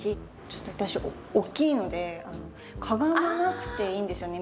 ちょっと私大きいのでかがまなくていいんですよね。